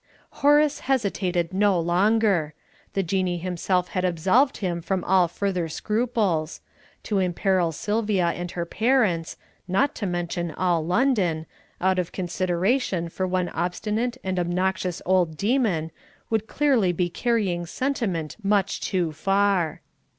Horace hesitated no longer. The Jinnee himself had absolved him from all further scruples; to imperil Sylvia and her parents not to mention all London out of consideration for one obstinate and obnoxious old demon, would clearly be carrying sentiment much too far.